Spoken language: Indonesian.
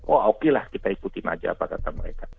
oh oke lah kita ikutin aja apa kata mereka